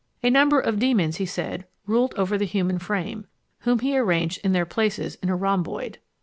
A number of demons, he said, ruled over the human frame, whom he arranged in their places in a rhomboid.